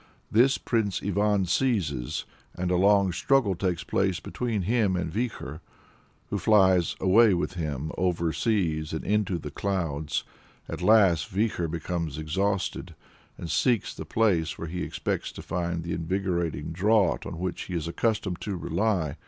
This Prince Ivan seizes, and a long struggle takes place between him and Vikhor, who flies away with him over seas and into the clouds. At last, Vikhor becomes exhausted and seeks the place where he expects to find the invigorating draught on which he is accustomed to rely.